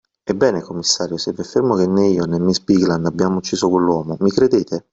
Ebbene, commissario, se vi affermo che né io, né miss Bigland abbiamo ucciso quell’uomo, mi credete?